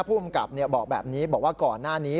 ภูมิกับบอกแบบนี้บอกว่าก่อนหน้านี้